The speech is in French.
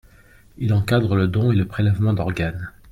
Il encadre le don et le prélèvement d’organes.